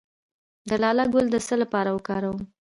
د لاله ګل د څه لپاره وکاروم؟